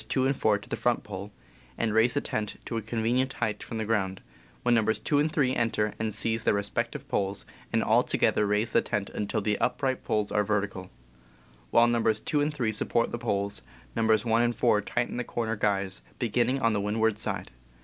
2 and 4 to the front pole, and raise the tent to a convenient height from the ground, when Nos. 2 and 3 enter and seize THE CAMP 75 their respective poles, and all together raise the tent until the upright poles are vertical. While Nos. 2 and 3 support the poles, Nos. 1 and 4 tighten the corner guys, beginning on the windward side.